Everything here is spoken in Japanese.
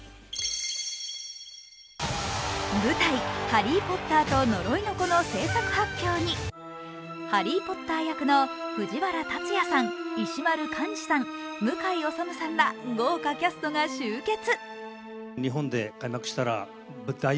「ハリー・ポッターと呪いの子」の制作発表にハリー・ポッター役の藤原竜也さん石丸幹二さん向井理さんら豪華キャストが集結。